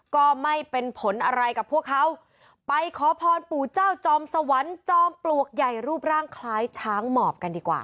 ก็ไม่เป็นผลอะไรกับพวกเขาไปขอพรปู่เจ้าจอมสวรรค์จอมปลวกใหญ่รูปร่างคล้ายช้างหมอบกันดีกว่า